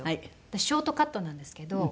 私ショートカットなんですけど。